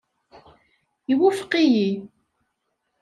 Iwufeq-iyi.